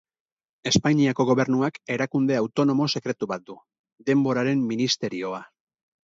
Espainiako Gobernuak erakunde autonomo sekretu bat du: Denboraren Ministerioa.